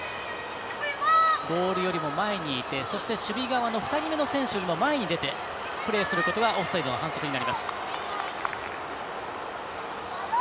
ボールよりも前にいて、そして守備側の２人目の選手よりも前に出て、プレーすることがオフサイドの反則になります。